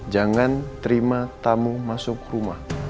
jangan terima tamu masuk rumah